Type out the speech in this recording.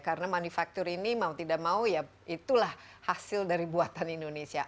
karena manufaktur ini mau tidak mau ya itulah hasil dari buatan indonesia